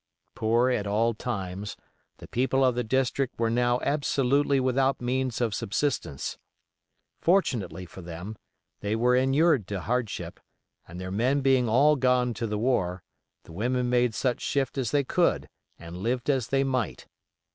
Poor at all times, the people of the district were now absolutely without means of subsistence. Fortunately for them, they were inured to hardship; and their men being all gone to the war, the women made such shift as they could and lived as they might.